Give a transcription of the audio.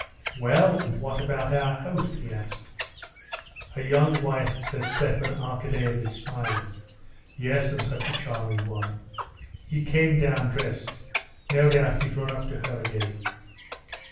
"Well, and what about our host?" he asked. "A young wife," said Stepan Arkadyevitch, smiling. "Yes, and such a charming one!" "He came down dressed. No doubt he's run up to her again."